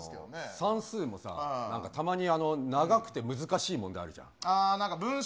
算数のさ、たまに長くて難しい問題あるじゃん。